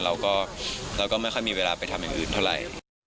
เราก็ไม่ค่อยมีเวลาไปทำอย่างอื่นเท่าไหร่